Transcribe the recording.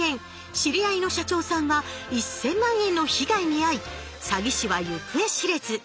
知り合いの社長さんは１，０００万円の被害に遭い詐欺師は行方知れず。